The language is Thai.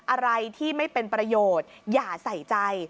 อะไรที่ไม่เป็นประโยชน์อย่าใส่ใจ